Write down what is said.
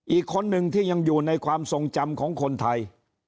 อีกคนนึงที่ยังอยู่ในความทรงจำของคนไทย